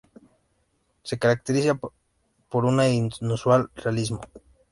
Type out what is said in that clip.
Se caracteriza por un inusual realismo.